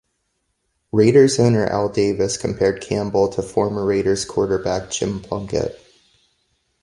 Raiders owner Al Davis compared Campbell to former Raiders quarterback Jim Plunkett.